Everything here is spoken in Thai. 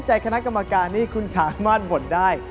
ใจคณะกรรมการนี้คุณสามารถบ่นได้